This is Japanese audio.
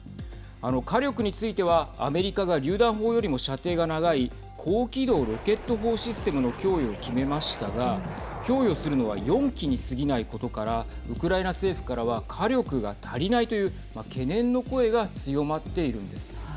火力については、アメリカがりゅう弾砲よりも射程が長い高機動ロケット砲システムの供与を決めましたが供与するのは４基にすぎないことからウクライナ政府からは火力が足りないという懸念の声が強まっているんです。